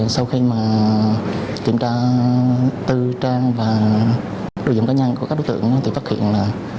sau khi mà kiểm tra tư trang và đồ dụng cá nhân của các đối tượng thì phát hiện là